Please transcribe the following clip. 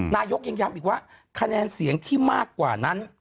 นายกยังย้ำอีกว่าคะแนนเสียงที่มากกว่านั้น